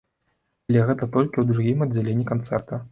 Але гэта толькі ў другім аддзяленні канцэрта.